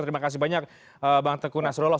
terima kasih banyak bang teguh nasrullah